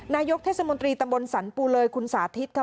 นายกเทศมนตรีตำบลสรรปูเลยคุณสาธิตค่ะ